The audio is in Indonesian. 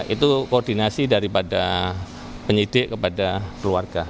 itu koordinasi daripada penyidik kepada keluarga